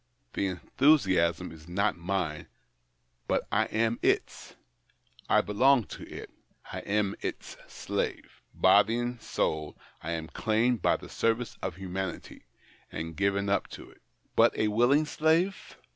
The enthusiasm is not mine, but I am its. I belong to it ; I am its slave. Body and soul I am claimed ]^y the service of humanity, and given up to it.'" " But a willing slave